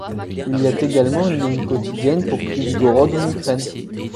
Il y a également une ligne quotidienne pour Užgorod en Ukraine.